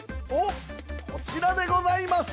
こちらでございます。